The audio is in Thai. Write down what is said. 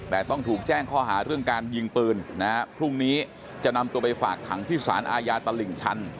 แต่ต้องถูกแจ้งข้อหาเรื่องการยิงปืนนะฮะพรุ่งนี้จะนำตัวไปฝากขังที่สารอาญาตลิ่งชัน